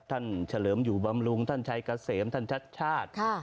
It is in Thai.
ท่านเฉลิมอยู่บำรุงท่านชายเกษมท่านชัด